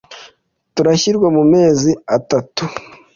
Turashyingirwa mumezi atatu.